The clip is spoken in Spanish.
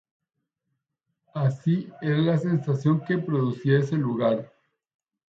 Así era la sensación que producía ese lugar".